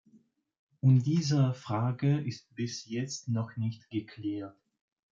Und diese Frage ist bis jetzt noch nicht geklärt.